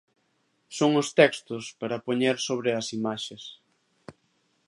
Son os textos para poñer sobre as imaxes.